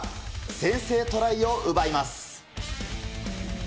先制トライを奪います。